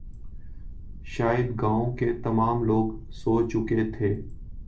شاید گاؤں کے تمام لوگ سو چکے تھے